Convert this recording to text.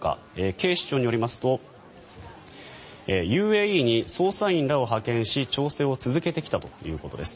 警視庁によりますとＵＡＥに捜査員らを派遣し調整を続けてきたということです。